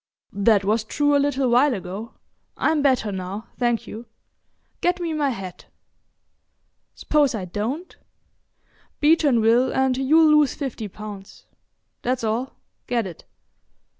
"That was true a little while ago. I'm better now, thank you. Get me my hat." "S'pose I don't?" "Beeton will, and you'll lose fifty pounds. That's all. Get it."